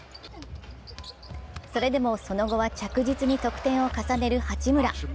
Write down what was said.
それでもその後は着実に得点を重ねる八村。